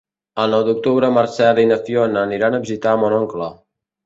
El nou d'octubre en Marcel i na Fiona aniran a visitar mon oncle.